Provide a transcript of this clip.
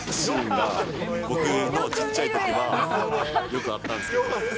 僕のちっちゃいときは、よくあったんですけど。